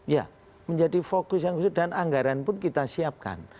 ya menjadi fokus yang khusus dan anggaran pun kita siapkan